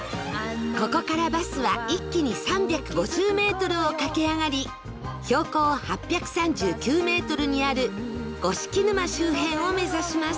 ここからバスは一気に３５０メートルを駆け上がり標高８３９メートルにある五色沼周辺を目指します